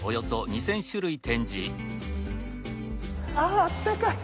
ああったかい。